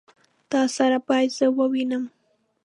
تا سره بايد زه ووينم.